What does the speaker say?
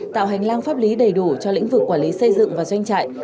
tạo hành lang pháp lý đầy đủ cho lĩnh vực quản lý xây dựng và doanh trại